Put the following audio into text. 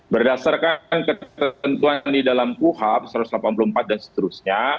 berdasarkan ketentuan di dalam kuhap satu ratus delapan puluh empat dan seterusnya